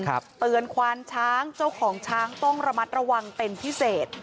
เตือนควานช้างเจ้าของช้างต้องระมัดระวังเป็นพิเศษ